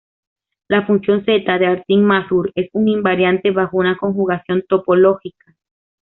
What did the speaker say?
La función zeta de Artin-Mazur es un invariante bajo una conjugación topológica.